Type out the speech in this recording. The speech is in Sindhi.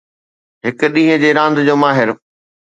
هڪ ڏينهن جي راند جو ماهر